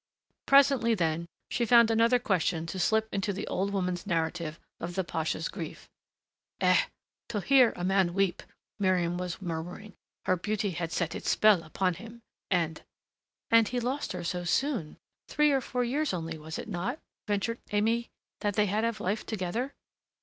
Presently then, she found another question to slip into the old woman's narrative of the pasha's grief. "Eh, to hear a man weep," Miriam was murmuring. "Her beauty had set its spell upon him, and " "And he lost her so soon. Three or four years only, was it not," ventured Aimée, "that they had of life together?"